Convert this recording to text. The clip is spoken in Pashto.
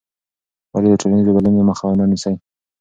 ولې د ټولنیزو بدلونونو مخه مه نیسې؟